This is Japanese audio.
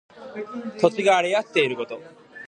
土地が荒れ痩せていること。